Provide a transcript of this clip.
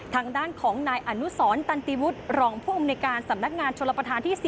ทางด้านของนายอนุสรตันติวุฒิรองผู้อำนวยการสำนักงานชลประธานที่๔